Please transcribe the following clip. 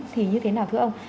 thì như thế nào thưa ông